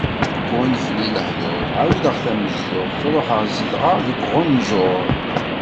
Qwan fell-i lehḍur, ɛawdeɣ tamezduɣt ruḥeɣ zedɣeɣ deg uɣenǧur.